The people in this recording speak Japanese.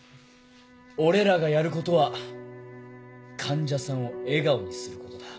「俺らがやることは患者さんを笑顔にすることだ」。